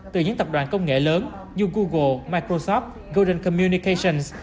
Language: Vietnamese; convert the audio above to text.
từ những tập đoàn công nghệ lớn như google microsoft golden communications